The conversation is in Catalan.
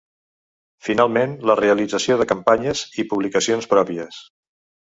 Finalment la realització de campanyes i publicacions pròpies.